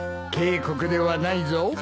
警告ではないぞ。